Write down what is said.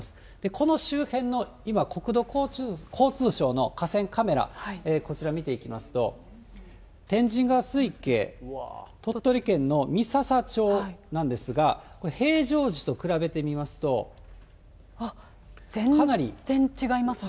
この周辺の、今、国土交通省の河川カメラ、こちら見ていきますと、天神川水系、鳥取県の三朝町なんですが、これ、全然違いますね。